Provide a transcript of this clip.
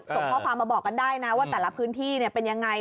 ส่งข้อความมาบอกกันได้นะว่าแต่ละพื้นที่เป็นยังไง